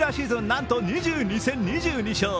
なんと２２戦２２勝。